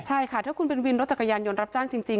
ใช่ค่ะถ้าคุณเป็นวินรถจักรยานยนต์รับจ้างจริง